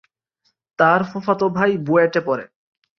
তার ফুফাতো ভাই বুয়েটে পড়ে।